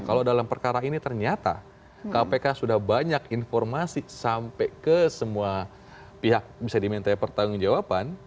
kalau kpk sudah banyak informasi sampai ke semua pihak bisa diminta pertanggung jawaban